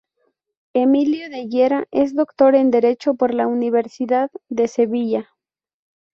Emilio de Llera es doctor en Derecho por la Universidad de Sevilla.